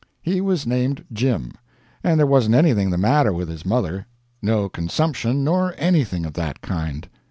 He was named Jim, and there wasn't anything the matter with his mother no consumption, nor anything of that kind.